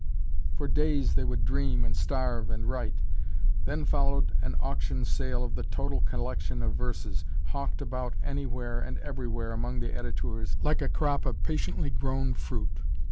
For days they would dream and starve and write. Then followed an auction sale of the total collection of verses, hawked about anywhere and everywhere among the editeurs, like a crop of patiently grown fruit.